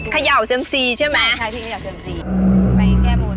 ไข่ยาวเซียมซีใช่มั้ย